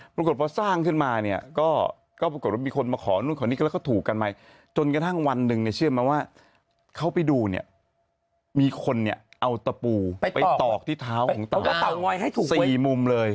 ปรากฏพอสร้างขึ้นมาเนี่ยก็ปรากฏว่ามีคนมาขอนู่นขอนี่ก็แล้วก็ถูกกันมาจนกระทั่งวันหนึ่งเนี่ยเชื่อไหมว่าเขาไปดูเนี่ยมีคนเนี่ยเอาตะปูไปตอกที่เท้าของเต่า๔มุมเลย